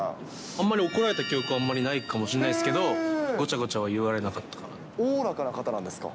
あんまり、怒られた記憶はあんまりないかもしれないですけれども、ごちゃごおおらかな方なんですか？